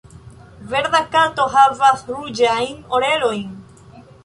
Verda Kato havas ruĝajn orelojn.